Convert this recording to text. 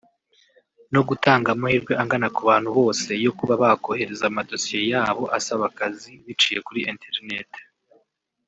no gutanga amahirwe angana ku bantu bose yo kuba bakohereza amadosiye yabo asaba akazi biciye kuri internet